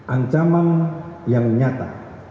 ancaman yang nyata